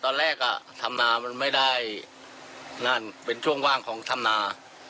ตอนแรกอ่ะทำนามันไม่ได้นั่นเป็นช่วงว่างของธรรมนา